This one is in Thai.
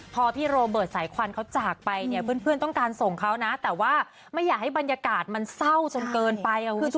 พอพี่โรเบิร์ตสายควันเขาจากไปเนี่ยเพื่อนต้องการส่งเขานะแต่ว่าไม่อยากให้บรรยากาศมันเศร้าจนเกินไปค่ะคุณผู้ชม